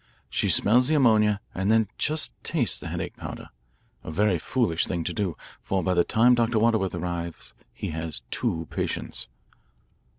She smells the ammonia and then just tastes the headache powder, a very foolish thing to do, for by the time Dr. Waterworth arrives he has two patients."